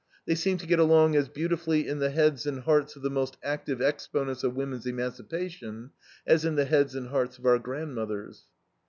They seem to get along as beautifully in the heads and hearts of the most active exponents of woman's emancipation, as in the heads and hearts of our grandmothers.